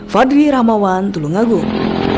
fadli rahmawan tulungagung